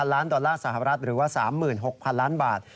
ล้านดอลลาร์สหรัฐหรือว่า๓๖๐๐๐ล้านบาท